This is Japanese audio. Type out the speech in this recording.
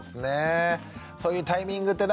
そういうタイミングってなかなかね。